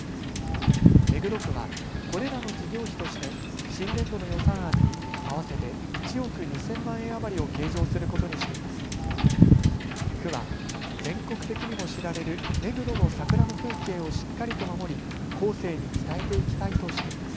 目黒区はこれらの事業費として新年度の予算案に合わせて１億２０００万円余りを計上することにしています。